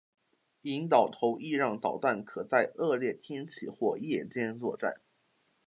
导引头亦让导弹可在恶劣天气或夜间作战。